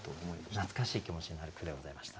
懐かしい気持ちになる句でございました。